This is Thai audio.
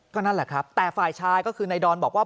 นั่นแหละครับแต่ฝ่ายชายก็คือนายดอนบอกว่า